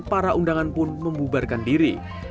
para undangan pun membubarkan diri